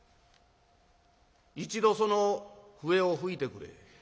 「一度その笛を吹いてくれ。